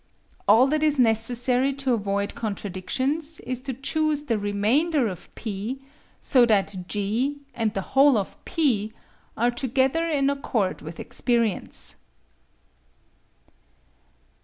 All that is necessary to avoid contradictions is to choose the remainder of (P) so that (G) and the whole of (P) are together in accord with experience.